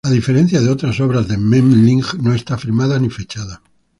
A diferencia de otras obras de Memling, no está firmada ni fechada.